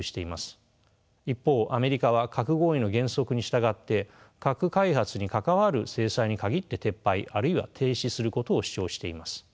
一方アメリカは核合意の原則に従って核開発に関わる制裁に限って撤廃あるいは停止することを主張しています。